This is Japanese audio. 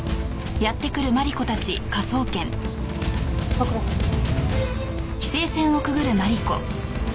ご苦労さまです。